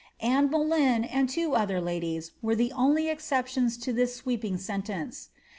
Aime Boleyn, and two other ladies, were the only ei tions to this sweeping sentence.'